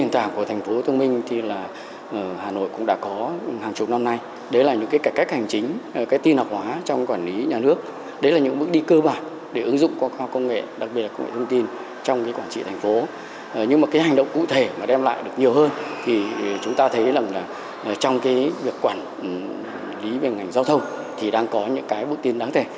trong việc quản lý về ngành giao thông thì đang có những bức tin đáng thề